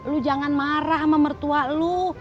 lo jangan marah sama mertua lo